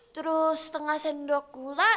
terus setengah sendok gula